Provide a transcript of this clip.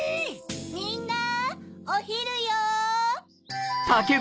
みんなおひるよ！